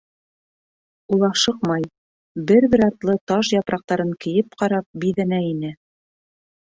Ул ашыҡмай, бер бер артлы таж япраҡтарын кейеп ҡарап, биҙәнә ине.